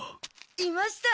いました。